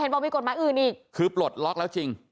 แต่ว่าถ้ามุมมองในทางการรักษาก็ดีค่ะ